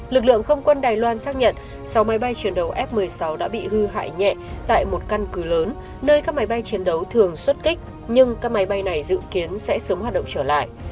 lực lượng không quân đài loan xác nhận sau máy bay chiến đấu f một mươi sáu đã bị hư hại nhẹ tại một căn cứ lớn nơi các máy bay chiến đấu thường xuất kích nhưng các máy bay này dự kiến sẽ sớm hoạt động trở lại